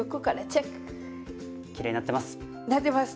きれいになってます。